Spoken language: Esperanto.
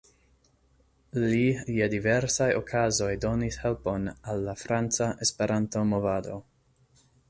Li je diversaj okazoj donis helpon al la franca Esperanto-movado.